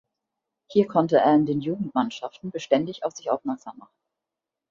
Hier konnte er in den Jugendmannschaften beständig auf sich aufmerksam machen.